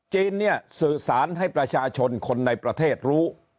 จีนเนี่ยสื่อสารให้ประชาชนคนในประเทศรู้